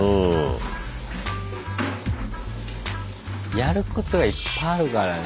やることはいっぱいあるからね。